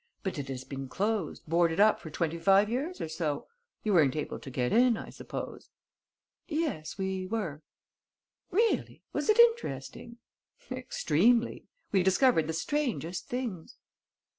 But it has been closed, boarded up for twenty five years or so. You weren't able to get in, I suppose?" "Yes, we were." "Really? Was it interesting?" "Extremely. We discovered the strangest things."